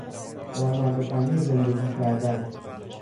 با نان و پنیر زندگی کردن